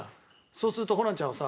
そうするとホランちゃんはさ